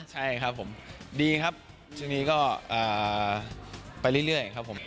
ใช่ครับผมดีครับช่วงนี้ก็ไปเรื่อยครับผม